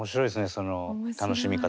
その楽しみ方。